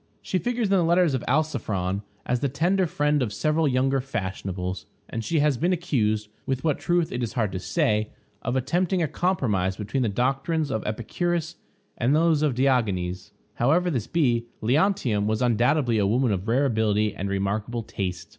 She figures in the letters of Alciphron as the tender friend of several younger fashionables; and she has been accused, with what truth it is hard to say, of attempting a compromise between the doctrines of Epicurus and those of Diogenes. However this be, Leontium was undoubtedly a woman of rare ability and remarkable taste.